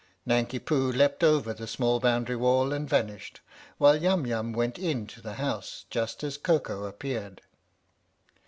Nanki Poo leapt over the small boundary wall and vanished, while Yum Yum went into the house just as Koko appeared.